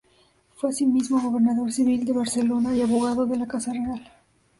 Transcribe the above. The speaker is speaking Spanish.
Fue asimismo gobernador civil de Barcelona y abogado de la Casa Real.